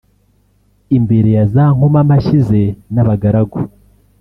imbere ya za nkomamashyi ze n’abagaragu